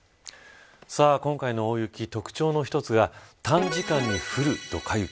今回の大雪、特徴の一つが短時間に降るドカ雪。